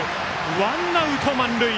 ワンアウト満塁。